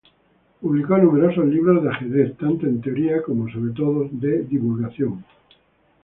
Publicó numerosos libros de ajedrez, tanto de teoría como, sobre todo, de divulgación.